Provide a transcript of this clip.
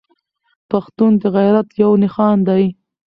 پښتون د غيرت يو نښان دی.